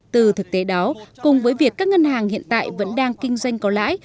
từ thực tế đó cùng với việc các ngân hàng hiện tại vẫn đang kinh doanh có lãi